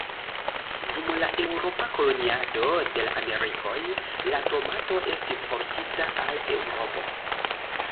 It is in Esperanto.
Dum la eŭropa koloniado de la Amerikoj, la tomato estis portita al Eŭropo.